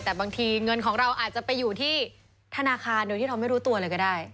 แต่บางทีเงินของเราอาจจะไปอยู่ที่ธนาคารโดยที่เราไม่รู้ตัวเลยก็ได้